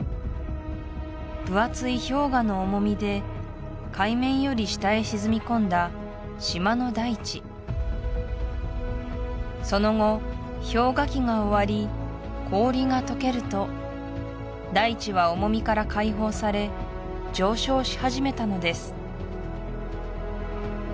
分厚い氷河の重みで海面より下へ沈み込んだ島の大地その後氷河期が終わり氷が溶けると大地は重みから解放され上昇し始めたのです